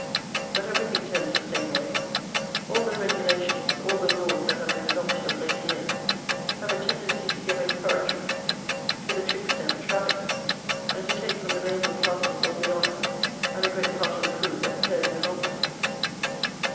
But everything tends the same way: all the regulations, all the laws that have been adopted of late years, have a tendency to give encouragement to the trickster and the trafficker, and to take from the labouring classes all the honour and a great part of the food that fairly belonged to them.